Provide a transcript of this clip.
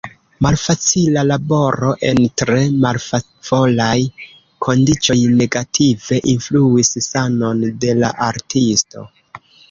Malfacila laboro en tre malfavoraj kondiĉoj negative influis sanon de la artisto.